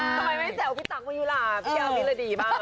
ทำไมไม่แจวพี่ตั๊กว่ายุหลาพี่แก้วพี่ลาดีบ้าง